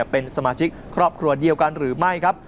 เป็นสมาชิกครอบครัวเดียวกันหรือไม่ครับ